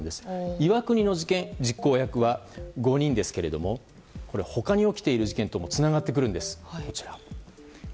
岩国の実行役は５人ですが他に起きている事件ともつながってくるんです。